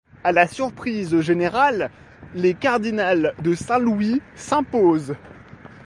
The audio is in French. À la surprise générale, les Cardinals de Saint-Louis s'imposent.